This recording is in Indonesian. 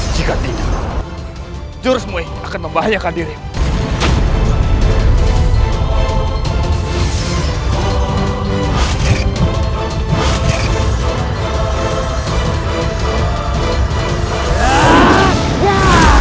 jika tidak jurus mui akan membahayakan dirimu